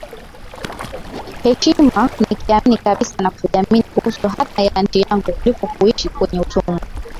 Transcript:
heshima nikiamini kabisa na kujiamini kuhusu hatma ya nchi yangu kuliko kuishi kwenye utumwa